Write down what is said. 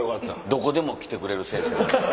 どこでも来てくれる先生。